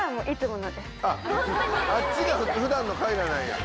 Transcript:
あっちが普段のかいらなんや。